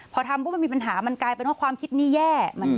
พอทำปุ๊บมันมีปัญหามันกลายเป็นว่าความคิดนี้แย่